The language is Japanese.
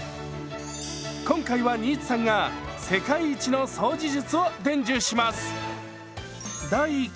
今回は新津さんが世界一の掃除術を伝授します！